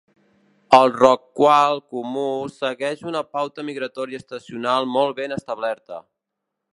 El rorqual comú segueix una pauta migratòria estacional molt ben establerta.